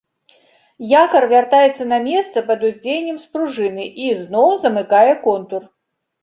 Якар вяртаецца на месца пад уздзеяннем спружыны і зноў замыкае контур.